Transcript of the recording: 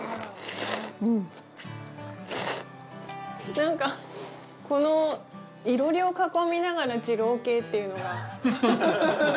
なんかこの囲炉裏を囲みながら二郎系っていうのが。